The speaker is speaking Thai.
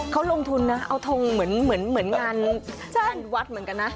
เขาลงทุนนะเอาทงเหมือนงานสร้างวัดเหมือนกันนะ